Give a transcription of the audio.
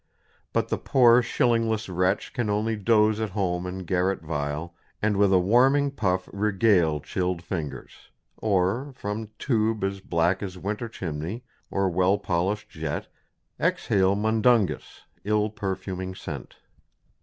_ But the poor shillingless wretch can only _doze at home In garret vile, and with a warming puff Regale chill'd fingers; or from tube as black As winter chimney, or well polish'd jet, Exhale Mundungus, ill perfuming scent.